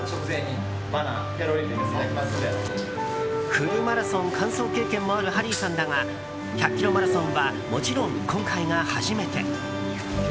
フルマラソン完走経験もあるハリーさんだが１００ｋｍマラソンはもちろん今回が初めて。